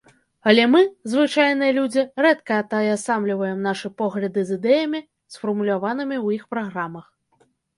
Але мы, звычайныя людзі, рэдка атаясамліваем нашы погляды з ідэямі, сфармуляванымі ў іх праграмах.